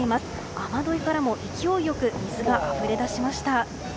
雨どいからも勢いよく水があふれ出しました。